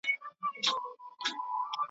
د خپلي خوښی سره سم .